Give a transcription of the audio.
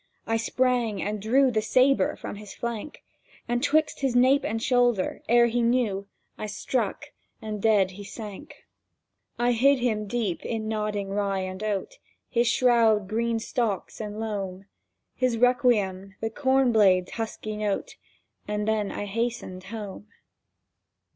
I sprang, and drew The sabre from his flank, And 'twixt his nape and shoulder, ere he knew, I struck, and dead he sank. [Picture: Sketch of landscape] I hid him deep in nodding rye and oat— His shroud green stalks and loam; His requiem the corn blade's husky note— And then I hastened home